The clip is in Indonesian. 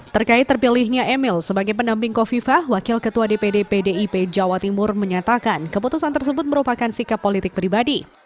terkait terpilihnya emil sebagai pendamping kofifah wakil ketua dpd pdip jawa timur menyatakan keputusan tersebut merupakan sikap politik pribadi